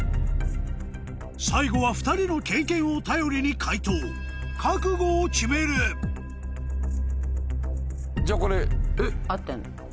最後は２人の経験を頼りに解答覚悟を決めるじゃあこれえっ。合ってんの？